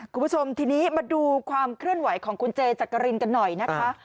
คุณผู้ชมทีนี้มาดูความเคลื่อนไหวของคุณเจจักรินกันหน่อยนะคะ